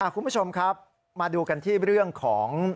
คุณผู้ชมครับมาดูกันที่เรื่องของ